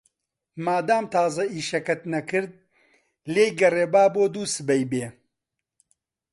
مادام تازە ئیشەکەت نەکرد، لێی گەڕێ با بۆ دووسبەی بێ.